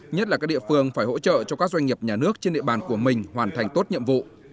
nhất là các địa phương phải hỗ trợ cho các doanh nghiệp nhà nước trên địa bàn của mình hoàn thành tốt nhiệm vụ